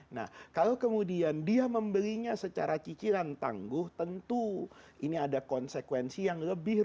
nah kalau kemudian dia membelinya secara cicilan tangguh tentu ini ada konsekuensi yang lebih rendah